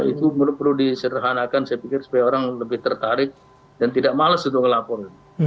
itu perlu disederhanakan saya pikir supaya orang lebih tertarik dan tidak males untuk melapor